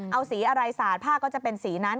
เอาสีอะไรสาดผ้าก็จะเป็นสีนั้น